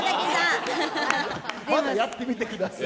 やってみてください。